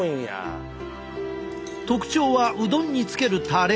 特徴はうどんにつけるタレ。